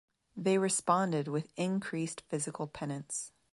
They responded with increased physical penance.